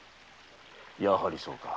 やはりそうか。